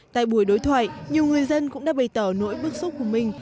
tại buổi đối thoại nhiều người dân cũng đã bày tỏ nỗi bức xúc của mình